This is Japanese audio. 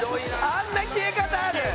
あんな消え方ある？